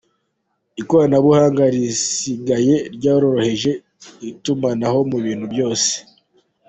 Ikoranabuhanga risigaye ryaroroheje itumanaho mu bintu byose.